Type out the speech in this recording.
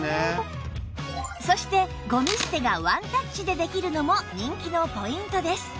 そしてゴミ捨てがワンタッチでできるのも人気のポイントです